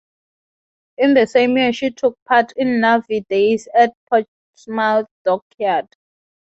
In the same year she took part in Navy Days at Portsmouth Dockyard.